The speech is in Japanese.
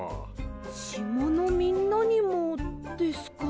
しまのみんなにもですか？